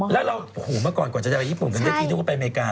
แล้วเรามาก่อนก่อนจะได้ไปญี่ปุ่นก็นึกว่าไปอเมริกา